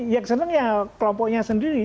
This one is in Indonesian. yang senang kelompoknya sendiri